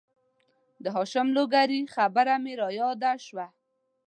د هاشم لوګرې خبره مې را یاده شوه